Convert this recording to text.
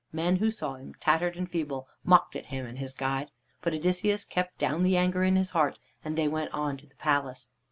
Men who saw him, tattered and feeble, mocked at him and his guide. But Odysseus kept down the anger in his heart, and they went on to the palace.